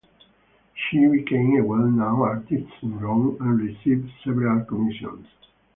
She became a well-known artist in Rome, and received several commissions.